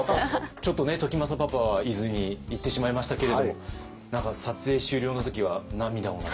ちょっとね時政パパは伊豆に行ってしまいましたけれども何か撮影終了の時は涙を流されたと。